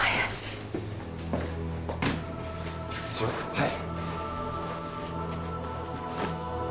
はい。